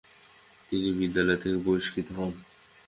তিনি বিদ্যালয় থেকে বহিষ্কৃত হন।